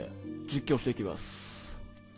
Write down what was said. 実況していきます。